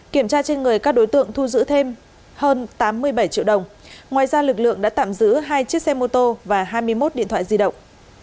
kiểm tra trên người các đối tượng thu giữ thêm hơn tám mươi bảy triệu đồng ngoài ra lực lượng đã tạm giữ hai chiếc xe mô tô và hai mươi một điện thoại di động